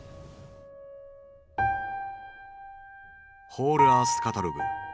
「ホールアースカタログ」。